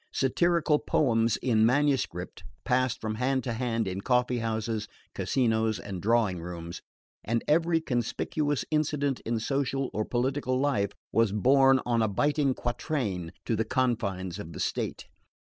Satirical poems in manuscript passed from hand to hand in coffee houses, casinos and drawing rooms, and every conspicuous incident in social or political life was borne on a biting quatrain to the confines of the state.